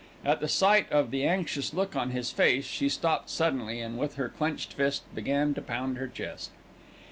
At the sight of the anxious look on his face she stopped suddenly, and with her clenched fist began to pound her chest.